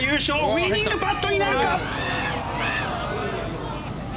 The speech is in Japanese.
ウィニングパットになるか。